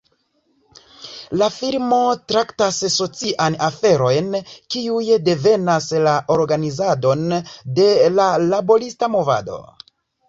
La filmo traktas socian aferojn kiuj devenas la organizadon de la laborista movado.